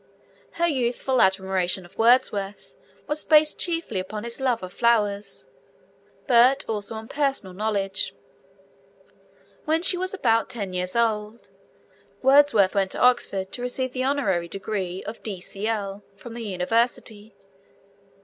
Her youthful admiration of Wordsworth was based chiefly upon his love of flowers, but also on personal knowledge. When she was about ten years old, Wordsworth went to Oxford to receive the honorary degree of D.C.L. from the University.